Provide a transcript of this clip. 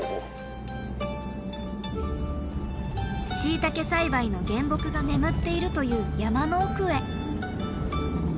しいたけ栽培の原木が眠っているという山の奥へ。